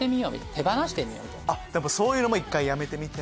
そういうのも１回やめてみて。